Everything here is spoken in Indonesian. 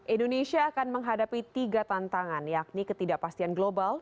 indonesia akan menghadapi tiga tantangan yakni ketidakpastian global